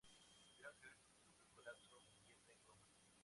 Granger sufre un colapso y entra en coma.